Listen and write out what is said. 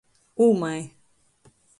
Ūmai.